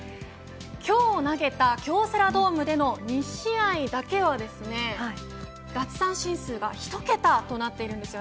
今日投げた京セラドームでの２試合だけは奪三振数が１桁となっています。